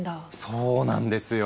そうなんですよ。